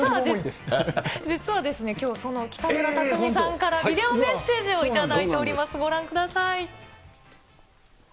実はきょう、その北村匠海さんからビデオメッセージを頂いております、ご覧ください。